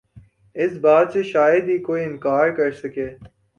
اس بات سے شاید ہی کوئی انکار کرسکے